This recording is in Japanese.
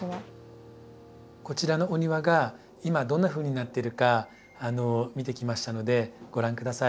こちらのお庭が今どんなふうになってるか見てきましたのでご覧下さい。